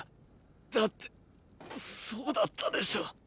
だってそうだったでしょ？